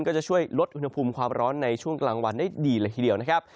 ก็จะช่วยลดอุณหภูมิความร้อนในช่วงกลางวันได้ดีเลยทีเดียวนะครับ